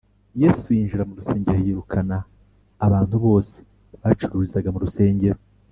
Yesu yinjira mu rusengero yirukana abantu bose bacururizaga mu rusengero